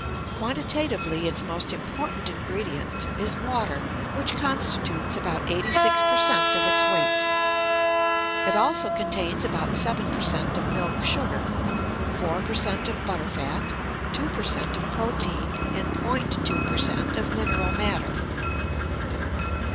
Quantitatively its most important ingredient is water, which constitutes about 86 per cent. of its weight. It also contains about 7 per cent. of milk sugar, 4 per cent. of butter fat, 2 per cent. of protein, and 0.2 per cent. of mineral matter.